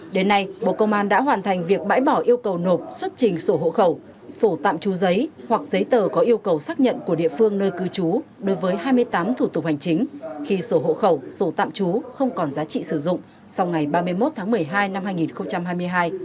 đến nay bộ công an đã hoàn thành việc bãi bỏ yêu cầu nộp xuất trình sổ hộ khẩu sổ tạm trú giấy hoặc giấy tờ có yêu cầu xác nhận của địa phương nơi cư trú đối với hai mươi tám thủ tục hành chính khi sổ hộ khẩu sổ tạm trú không còn giá trị sử dụng sau ngày ba mươi một tháng một mươi hai năm hai nghìn hai mươi hai